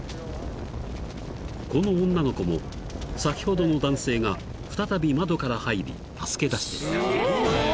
［この女の子も先ほどの男性が再び窓から入り助け出していた］